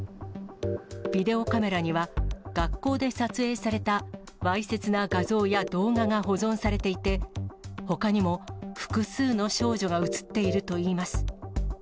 ビデオカメラには、学校で撮影されたわいせつな画像や動画が保存されていて、ほかにも複数の少女が写っているといいます。